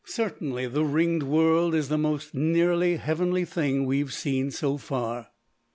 Certainly the Ringed World is the most nearly heavenly thing we've seen so far.